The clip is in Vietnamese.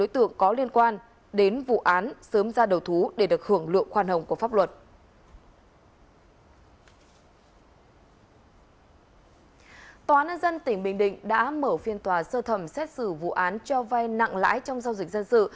tòa án nhân dân tỉnh bình định đã mở phiên tòa sơ thẩm xét xử vụ án cho vai nặng lãi trong giao dịch dân sự